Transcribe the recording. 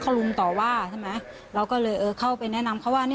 คลุมต่อว่าเราก็เลยเข้าไปแนะนำเขาว่า